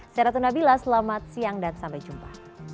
saya ratna bila selamat siang dan sampai jumpa